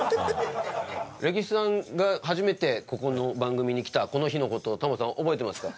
レキシさんが初めてここの番組に来たこの日の事をタモリさん覚えてますか？